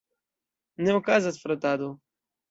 Ne okazas frotado!